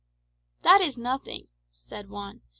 "That is nothing," said Juan.